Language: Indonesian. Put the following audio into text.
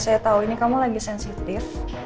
saya tahu ini kamu lagi sensitif